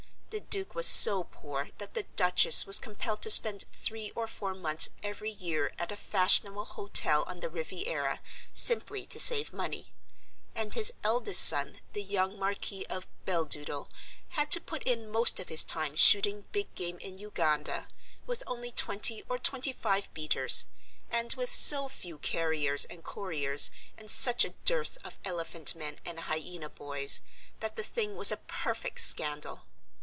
The Duke was so poor that the Duchess was compelled to spend three or four months every year at a fashionable hotel on the Riviera simply to save money, and his eldest son, the young Marquis of Beldoodle, had to put in most of his time shooting big game in Uganda, with only twenty or twenty five beaters, and with so few carriers and couriers and such a dearth of elephant men and hyena boys that the thing was a perfect scandal.